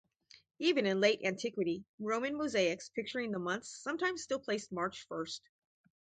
Even in late antiquity, Roman mosaics picturing the months sometimes still placed March first.